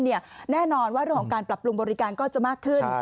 แน่นอนว่าเรื่องของการปรับปรุงบริการก็จะมากขึ้น